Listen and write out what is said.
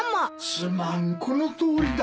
・すまんこのとおりだ。